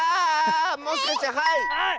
もしかしてはい！